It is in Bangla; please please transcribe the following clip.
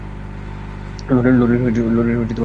লরির ড্রাইভাররে ধর।